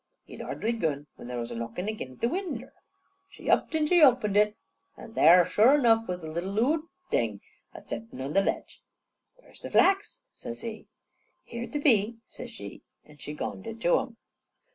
He'd hardly goon, when there was a knockin' agin the winder. She upped and she oped it, and there sure enough was the little oo'd thing a settin' on the ledge. "Where's the flax?" says he. "Here te be," says she. And she gonned it to him.